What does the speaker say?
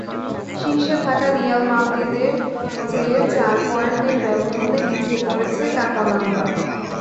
শীর্ষে থাকা রিয়াল মাদ্রিদের চেয়ে চার পয়েন্টের ব্যবধানে পিছিয়ে পড়েছে কাতালানরা।